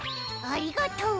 ありがとう！